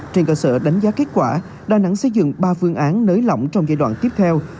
trên cơ sở đánh giá kết quả đà nẵng xây dựng ba phương án nới lỏng trong giai đoạn tiếp theo